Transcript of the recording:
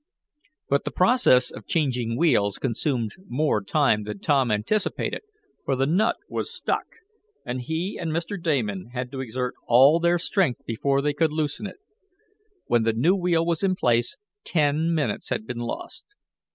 But the process of changing wheels consumed more time than Tom anticipated for the nut was stuck, and he and Mr. Damon had to exert all their strength before they could loosen it. When the new wheel was in place ten minutes had been lost.